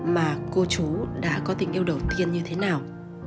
mà cô chú đã có tình yêu đầu tiên như thế nào